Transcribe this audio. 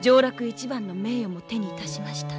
一番の名誉も手にいたしました。